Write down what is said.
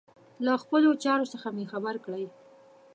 له خپلو چارو څخه مي خبر کړئ.